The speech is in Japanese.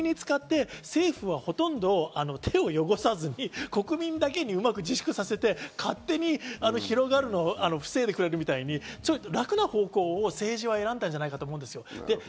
これを巧みに使って、政府はほとんど手を汚さずに国民だけにうまく自粛させて、勝手に広がるのを防いでくれみたいに楽な方向を政治が選んだんじゃないかと思う。